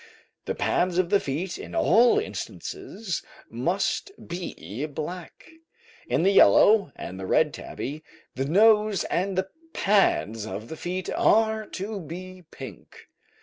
The pads of the feet in all instances must be black. In the yellow and the red tabby the nose and the pads of the feet are to be pink.